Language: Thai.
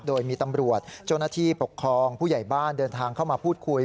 โดยมีตำรวจเจ้าหน้าที่ปกครองผู้ใหญ่บ้านเดินทางเข้ามาพูดคุย